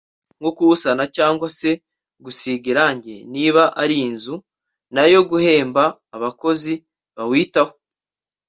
nko kuwusana cyangwa se gusiga irange niba ari nzu n’ayo guhemba abakozi bawitaho